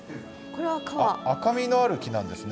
赤みのある木なんですね。